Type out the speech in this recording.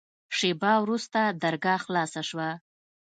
شېبه وروسته درګاه خلاصه سوه.